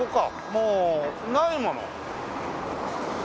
もうないもの。